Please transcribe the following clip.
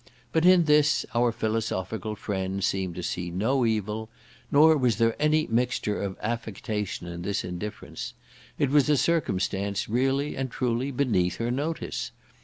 But in this our philosophical friend seemed to see no evil; nor was there any mixture of affectation in this indifference; it was a circumstance really and truly beneath her notice.